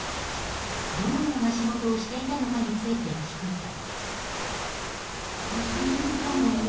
どのような仕事をしていたのかについて聞くと。